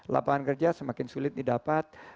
lapangan kerja semakin sulit didapat